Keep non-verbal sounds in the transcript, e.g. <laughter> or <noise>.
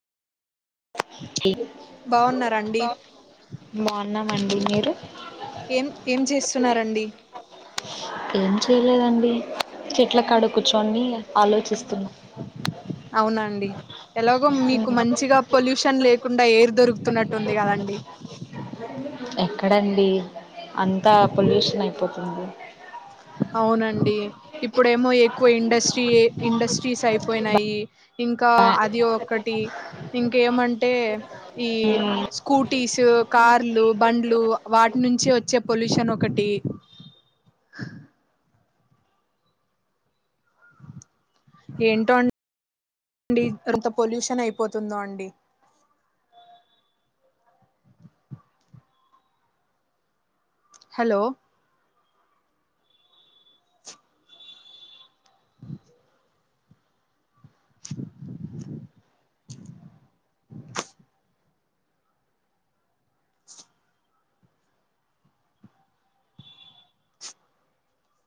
బాగున్నారాండి తన్నామండి మీరు ఏం ఏం చేస్తున్నారండి ఏం చేయలేదండి చెట్ల కాడు కూర్చొని ఆలోచిస్తున్నా అవునండి ఎలాగో మీకు మంచిగా పొల్యూషన్ లేకు కుండా ఏరు దొరుకుతున్నట్టుంది కదండి. ఎక్కడండి అంతా పొల్యూషన్ అయి పోతుంది అవునండి ఇప్పుడేమో ఎక్కువ ఇండస్ట్రీ, ఇండస్ట్రీస్ అయిపోయినాయి. ఇంకా అది ఒకటి ఇంకేమంటే ఈ స్కూటీస్ కార్లు, బండ్లు వాటి నుంచి వచ్చే పొల్యూషన్ ఒకటి ఏంటోడి అంత పొల్యూషన్ అయిపోతుందో అండి. హలో <unintelligible>